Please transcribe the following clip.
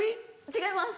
違います。